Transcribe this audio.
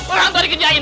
orang tua dikerjain